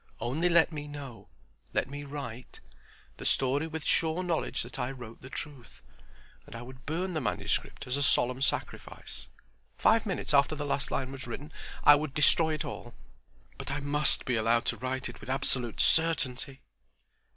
Only let me know, let me write, the story with sure knowledge that I wrote the truth, and I would burn the manuscript as a solemn sacrifice. Five minutes after the last line was written I would destroy it all. But I must be allowed to write it with absolute certainty.